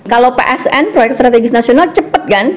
kalau psn proyek strategis nasional cepat kan